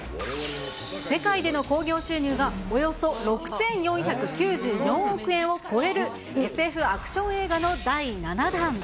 世界での興行収入がおよそ６４９４億円を超えるＳＦアクション映画の第７弾。